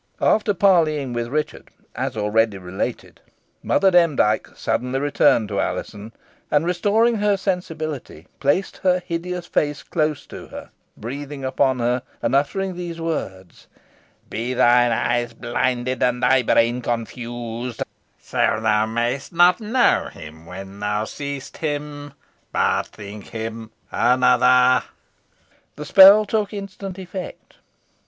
After parleying with Richard, as already related, Mother Demdike suddenly returned to Alizon, and, restoring her to sensibility, placed her hideous face close to her, breathing upon her, and uttering these words, "Be thine eyes blinded and thy brain confused, so that thou mayst not know him when thou seest him, but think him another." The spell took instant effect.